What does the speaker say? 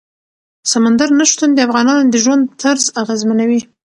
سمندر نه شتون د افغانانو د ژوند طرز اغېزمنوي.